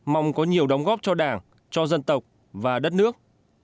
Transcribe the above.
mong có nhiều đóng góp cho đảng cho dân tộc và đất nước